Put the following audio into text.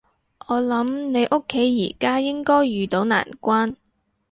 我諗你屋企而家應該遇到難關